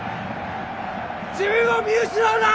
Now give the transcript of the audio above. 自分を見失うな！